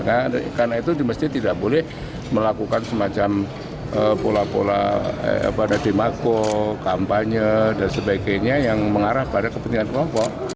oleh karena itu kegiatan politik praktis dikhawatirkan bisa menjulut politik identitas dan kepentingan kelompok